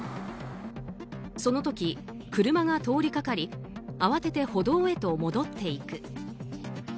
その時、車が通りかかり慌てて歩道へと戻っていく。